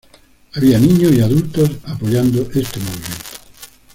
Había niños y adultos apoyando este movimiento.